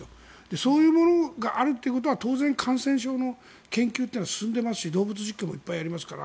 そういうものがあるということは当然、感染症の研究も進んでいますし動物実験もたくさんやりますから。